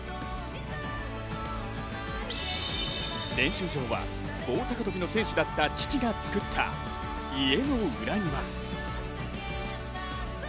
練習場は棒高跳の選手だった父が作った家の裏庭。